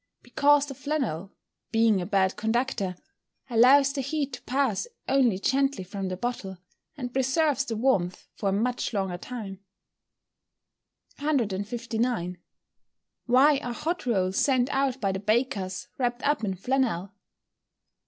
_ Because the flannel, being a bad conductor, allows the heat to pass only gently from the bottle, and preserves the warmth for a much longer time. 159. _Why are hot rolls sent out by the bakers, wrapped up in flannel?